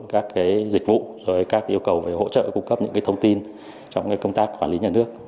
các cái dịch vụ rồi các yêu cầu về hỗ trợ cung cấp những cái thông tin trong cái công tác quản lý nhà nước